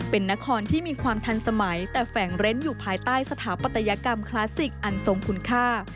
เป็นนครที่มีความทันสมัยแต่แฝงเร้นอยู่ภายใต้สถาปัตยกรรมคลาสสิกอันทรงคุณค่า